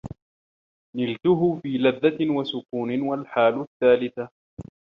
نِلْتَهُ فِي لَذَّةٍ وَسُكُونِ وَالْحَالُ الثَّالِثَةُ